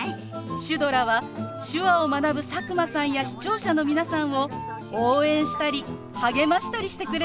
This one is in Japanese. シュドラは手話を学ぶ佐久間さんや視聴者の皆さんを応援したり励ましたりしてくれるんですよ。